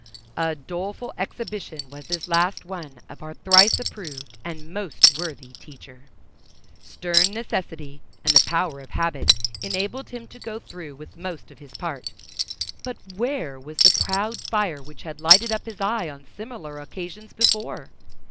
A doleful exhibition was this last one of our thrice approved and most worthy teacher! Stern necessity and the power of habit enabled him to go through with most of his part, but where was the proud fire which had lighted up his eye on similar occasions before?